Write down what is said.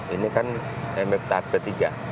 ini kan mf tahap ketiga